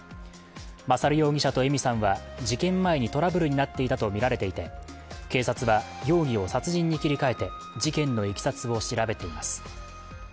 勝容疑者と枝美さんは事件前にトラブルになっていたとみられていて警察は容疑を殺人に切り替えて事件のいきさつを調べています。